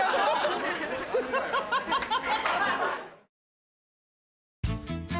ハハハハ。